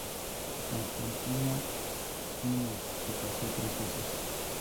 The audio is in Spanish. Constantino I se casó tres veces.